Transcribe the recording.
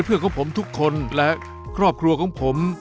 ของผมทุกคนและครอบครัวของผม